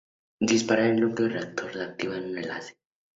Disparar al núcleo del reactor activa un enlace.